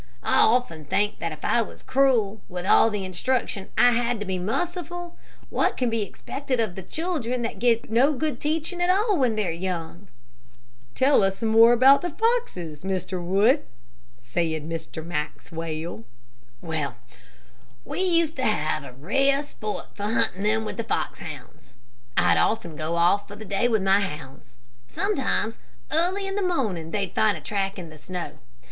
I often think that if I was cruel, with all the instruction I had to be merciful, what can be expected of the children that get no good teaching at all when they're young." "Tell us some more about the foxes, Mr. Wood," said Mr. Maxwell. "Well, we used to have rare sport hunting them with fox hounds. I'd often go off for the day with my hounds. Sometimes in the early morning they'd find a track in the snow.